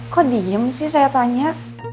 kok diem sih saya tanya